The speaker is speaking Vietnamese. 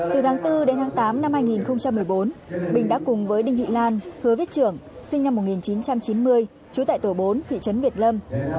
từ tháng bốn đến tháng tám năm hai nghìn một mươi bốn bình đã cùng với đinh thị lan hứa viết trưởng sinh năm một nghìn chín trăm chín mươi trú tại tổ bốn thị trấn việt lâm